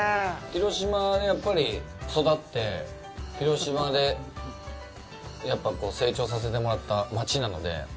広島でやっぱり育って広島で、成長させてもらった町なので。